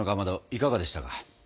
いかがでしたか？